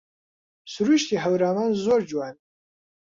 سرووشتی هەورامان زۆر جوانە